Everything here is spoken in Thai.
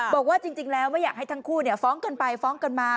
บอกว่าจริงแล้วไม่อยากให้ทั้งคู่ฟ้องกันไปฟ้องกันมา